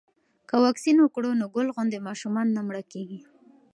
که واکسین وکړو نو ګل غوندې ماشومان نه مړه کیږي.